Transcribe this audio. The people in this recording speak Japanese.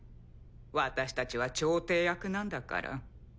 私たちは調停役なんだから。